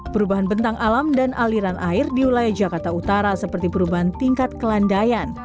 perubahan bentang alam dan aliran air di wilayah jakarta utara seperti perubahan tingkat kelandaian